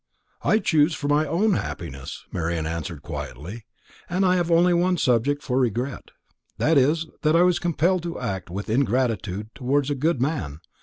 "I chose for my own happiness," Marian answered quietly, "and I have only one subject for regret; that is, that I was compelled to act with ingratitude towards a good man.